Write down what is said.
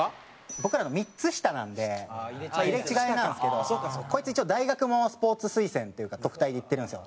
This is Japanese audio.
僕らの３つ下なんで入れ違いなんですけどこいつ一応大学もスポーツ推薦っていうか特待で行ってるんですよ。